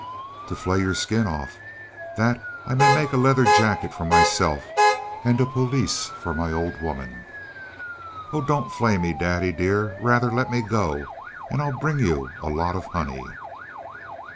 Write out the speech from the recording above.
"To flay your skin off, that I may make a leather jacket for myself and a pelisse for my old woman." "Oh! don't flay me, daddy dear! Rather let me go, and I'll bring you a lot of honey."